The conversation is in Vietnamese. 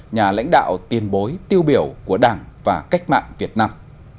nhà lãnh đạo tiền bối tiêu biểu của đảng và cách mạng việt nam